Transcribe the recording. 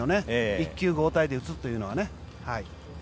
１球交代で打つというのはね。